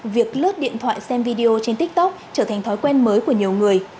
việc lướt điện thoại xem video trên tiktok trở thành thói quen mới